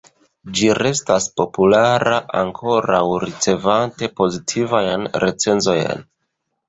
Ĝi restas populara, ankoraŭ ricevante pozitivajn recenzojn.